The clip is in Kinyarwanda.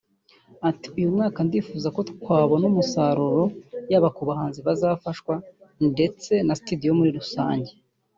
Ati “ Uyu mwaka ndifuza ko twabona umusaruro yaba ku bahanzi bazafashwa ndetse na studio muri rusange